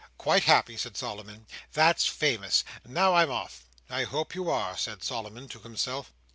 "Quite happy," said Solomon. "That's famous! now I'm off." "I hope you are," said Solomon to himself.